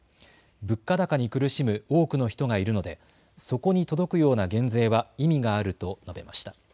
物価高に苦しむ多くの人がいるので、そこに届くような減税は意味があると述べました。